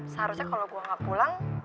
seharusnya kalau gue gak pulang